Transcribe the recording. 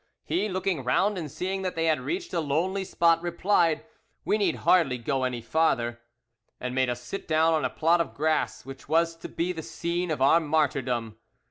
He looking round and seeing that they had reached a lonely spot, replied, 'We need hardly go any farther,' and made us sit dawn on a plot of grass which was to be the scene of our martyrdom.